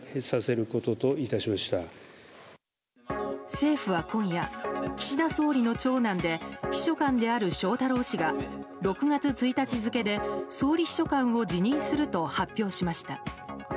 政府は今夜、岸田総理の長男で秘書官である翔太郎氏が６月１日付で総理秘書官を辞任すると発表しました。